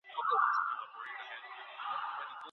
که راستنیدونکو ته ځمکي ورکړل سي، نو هغوی بې کوره نه کیږي.